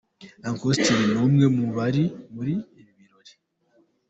Uncle Austin ni umwe mu bari muri ibi birori.